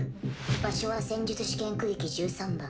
場所は戦術試験区域１３番。